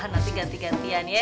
nanti ganti gantian ya